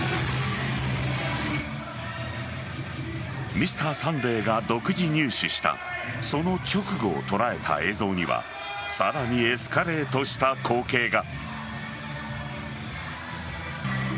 「Ｍｒ．サンデー」が独自入手したその直後を捉えた映像にはさらにエスカレートした光景が。